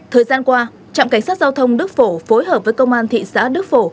thời gian qua trạm cảnh sát giao thông đức phổ phối hợp với công an thị xã đức phổ